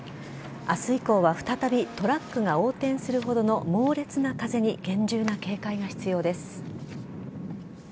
明日以降は再びトラックが横転するほどの猛烈な風に厳重な警戒が必要です。